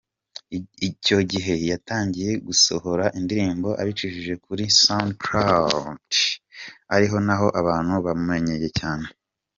Icyo gihe yatangiye gusohora indirimbo abicishije kuri SoundCloud ari naho abantu bamumenyeye cyane.